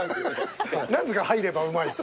何ですか入ればうまいって。